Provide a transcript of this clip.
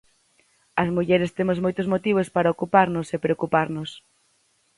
As mulleres temos moitos motivos para ocuparnos e preocuparnos.